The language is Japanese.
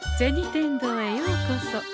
天堂へようこそ。